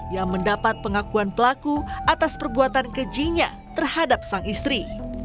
yang mendapat pengakuan pelaku atas perbuatan kejinya terhadap sang istri